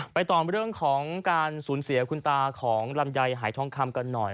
ไปต่อเรื่องของการสูญเสียคุณตาของลำไยหายทองคำกันหน่อย